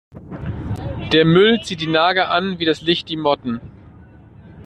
Der Müll zieht die Nager an wie das Licht die Motten.